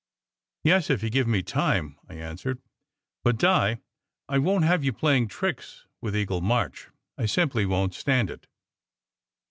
"Yes, if you give me time," I answered. "But, Di, I won t have you playing tricks with Eagle March. I simply won t stand it!"